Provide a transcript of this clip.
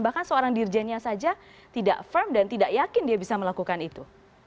bahkan seorang dirjennya saja tidak firm dan tidak yakin dia bisa melakukan itu